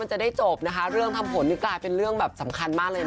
จะได้จบนะคะเรื่องทำผลนี่กลายเป็นเรื่องแบบสำคัญมากเลยนะ